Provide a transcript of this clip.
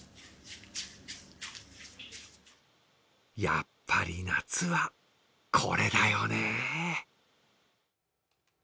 やっぱり夏はこれだよね。